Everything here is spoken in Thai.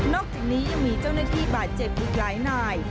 อกจากนี้ยังมีเจ้าหน้าที่บาดเจ็บอีกหลายนาย